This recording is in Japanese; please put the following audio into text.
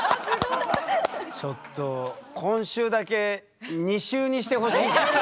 ちょっと今週だけ２週にしてほしいな。